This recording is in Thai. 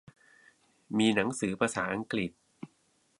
มีหนังสือภาษาอังกฤษ